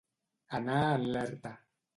Anar en l'erta.